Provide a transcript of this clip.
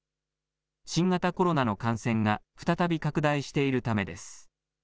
新型コロナの感染が再び拡大しているためです。